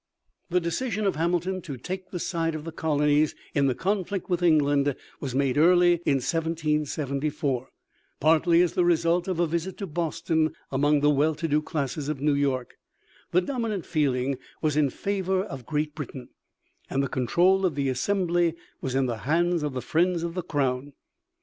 The decision of Hamilton to take the side of the colonies in the conflict with England was made early in 1774, partly as the result of a visit to Boston. Among the well to do classes of New York, the dominant feeling was in favor of Great Britain, and the control of the Assembly was in the hands of the friends of the Crown.